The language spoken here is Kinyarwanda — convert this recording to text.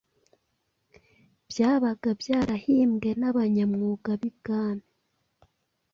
byabaga byarahimbwe n’abanyamwuga b’I Bwami.